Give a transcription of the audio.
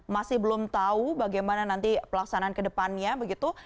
masih belum tahu bagaimana nanti pelaksanaan ke depannya begitu